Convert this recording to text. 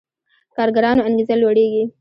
کارګرانو انګېزه لوړېږي.